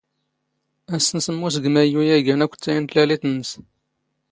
ⴰⵙⵙ ⵏ ⵙⵎⵎⵓⵙ ⴳ ⵎⴰⵢⵢⵓ ⴰⴷ ⵉⴳⴰⵏ ⴰⴽⵯⵜⵜⴰⵢ ⵏ ⵜⵍⴰⵍⵉⵜ ⵏⵏⵙ.